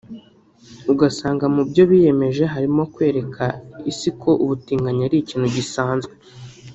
Ugasanga mu byo biyemeje harimo no kwereka isi ko ubutinganyi ari ikintu gisanzwe